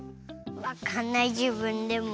わかんないじぶんでも。